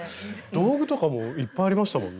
道具とかもいっぱいありましたもんね。